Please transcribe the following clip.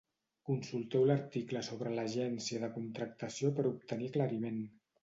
Consulteu l'article sobre l'Agència de contractació per obtenir aclariment.